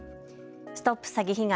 ＳＴＯＰ詐欺被害！